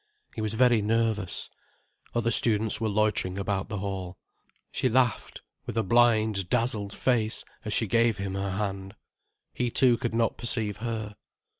He was very nervous. Other students were loitering about the hall. She laughed, with a blind, dazzled face, as she gave him her hand. He too could not perceive her.